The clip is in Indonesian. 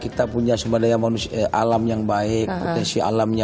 kita punya sumber daya manusia alam yang banyak jadi kita punya sumber daya manusia alam yang banyak